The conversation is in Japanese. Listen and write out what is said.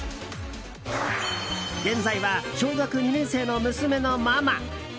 現在は小学２年生の娘のママ。